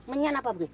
bungkusan apa bu